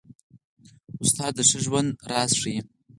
استاد د ښه ژوند راز ښيي.